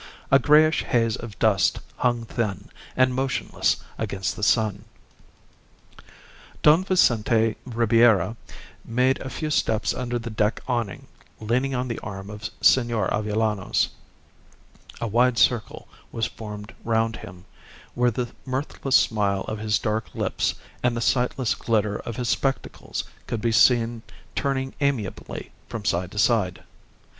A greyish haze of dust hung thin and motionless against the sun. Don Vincente Ribiera made a few steps under the deck awning, leaning on the arm of Senor Avellanos; a wide circle was formed round him, where the mirthless smile of his dark lips and the sightless glitter of his spectacles could be seen turning amiably from side to side.